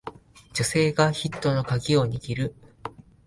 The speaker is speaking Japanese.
女性がヒットのカギを握る